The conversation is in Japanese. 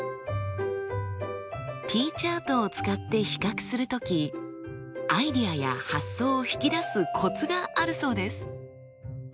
Ｔチャートを使って比較する時アイデアや発想を引き出すコツがあるそうです。